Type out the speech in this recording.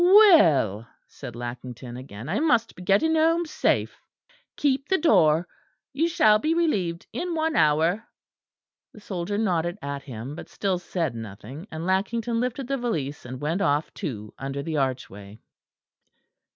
"Well," said Lackington again, "I must be getting home safe. Keep the door; you shall be relieved in one hour." The soldier nodded at him; but still said nothing; and Lackington lifted the valise and went off too under the archway.